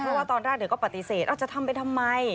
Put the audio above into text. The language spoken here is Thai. เพราะว่าตอนแรกก็ปฏิเสธจะทำไปทำไม